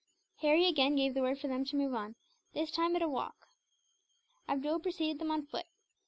Harry again gave the word for them to move on, this time at a walk. Abdool preceded them on foot.